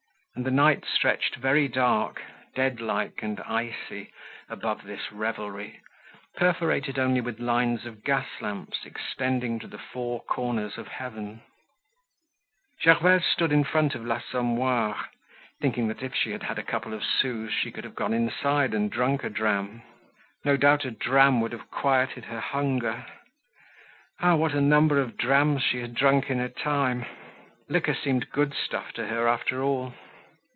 And the night stretched very dark, dead like and icy, above this revelry, perforated only with lines of gas lamps extending to the four corners of heaven. Gervaise stood in front of l'Assommoir, thinking that if she had had a couple of sous she could have gone inside and drunk a dram. No doubt a dram would have quieted her hunger. Ah! what a number of drams she had drunk in her time! Liquor seemed good stuff to her after all.